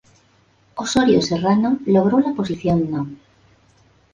Osorio Serrano logró la posición No.